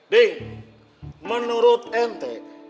ding menurut ente